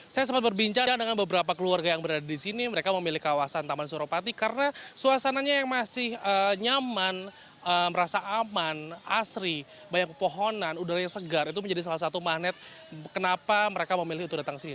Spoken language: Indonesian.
saya sempat berbincang dengan beberapa keluarga yang berada di sini mereka memilih kawasan taman suropati karena suasananya yang masih nyaman merasa aman asri banyak pohonan udara yang segar itu menjadi salah satu magnet kenapa mereka memilih untuk datang ke sini